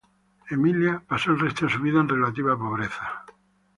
Emilia pasó el resto de su vida en relativa pobreza.